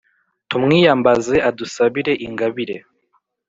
tumwiyambaze adusabire ingabire